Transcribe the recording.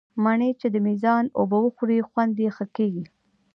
مڼې چې د مېزان اوبه وخوري، خوند یې ښه کېږي.